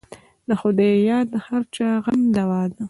د خدای یاد د هر غم دوا ده.